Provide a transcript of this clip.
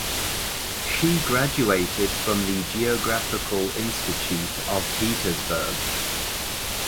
She graduated from the Geographical Institute of Petersburg.